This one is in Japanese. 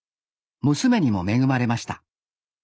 娘にも恵まれました。